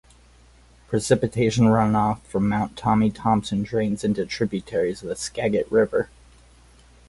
Precipitation runoff from Mount Tommy Thompson drains into tributaries of the Skagit River.